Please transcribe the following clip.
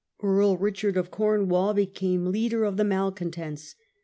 Earl Richard of Corn Leicester, wall became leader of the malcontents.